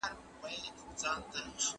زه پرون د سبا لپاره د لغتونو تمرين کوم؟!